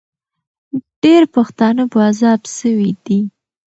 ډېر پښتانه په عذاب سوي دي.